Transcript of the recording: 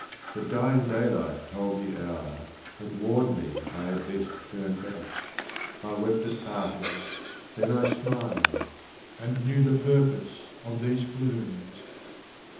But dying daylight told the hour And warned me I had best turn back. I wept at parting, then I smiled, And knew the purpose of these plumes.